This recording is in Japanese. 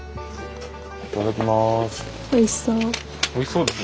いただきます。